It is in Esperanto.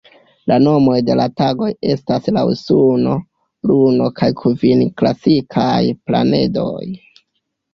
La nomoj de la tagoj estas laŭ suno, luno kaj la kvin klasikaj planedoj.